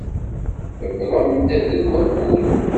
Tewwḍem-d deg wakud.